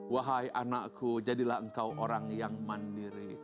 wahai anakku jadilah engkau orang yang mandiri